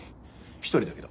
１人だけど。